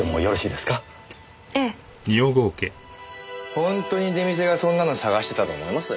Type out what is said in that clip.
本当に出店がそんなの捜してたと思います？